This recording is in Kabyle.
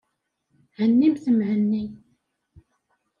Hennimt Mhenni.